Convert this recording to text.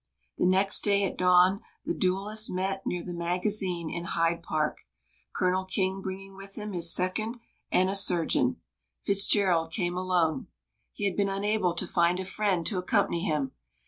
The next day at dawn the duellists met near the Magazine in Hyde Park, Colonel King bringing with him his second and a surgeon. Fitzgerald came alone. He had been unable to find a friend to accompany him.